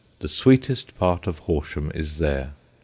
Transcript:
The sweetest part of Horsham is there.